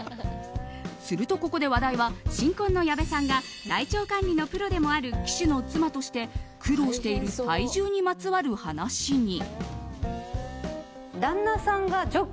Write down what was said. すると、ここで話題は新婚の矢部さんが体調管理のプロでもある騎手の妻として苦労している体重にまつわる話に。